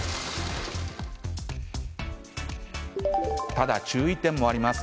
ただ、注意点もあります。